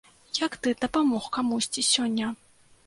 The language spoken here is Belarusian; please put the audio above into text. Як ты дапамог камусьці сёння?